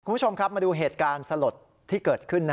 คุณผู้ชมครับมาดูเหตุการณ์สลดที่เกิดขึ้น